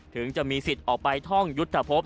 ถึงจะมีสิทธิ์ออกไปท่องยุทธพบ